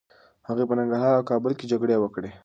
هغه په ننګرهار او کابل کي جګړې وکړې.